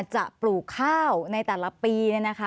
ปลูกข้าวในแต่ละปี